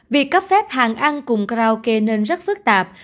việc cấp phép hàng ăn cùng karaoke nên rất phức tạp